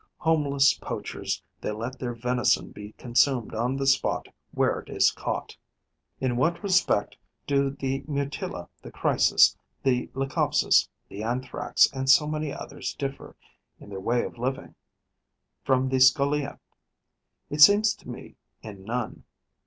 Homeless poachers, they let their venison be consumed on the spot where it is caught. In what respect do the Mutilla, the Chrysis, the Leucopsis, the Anthrax and so many others differ, in their way of living, from the Scolia? It seems to me, in none.